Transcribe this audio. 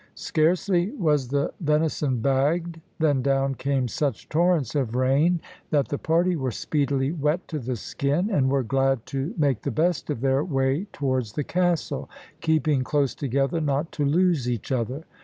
Scarcely was the venison bagged than down came such torrents of rain that the party were speedily wet to the skin, and were glad to make the best of their way towards the castle, keeping close together not to lose each other.